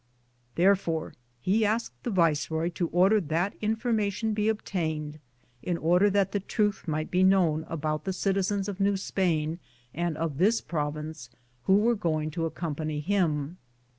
Therefore, he asked the viceroy to order that information be obtained, in order that the truth might be known about the citizens of New Spain and of this province who were going to accompany him.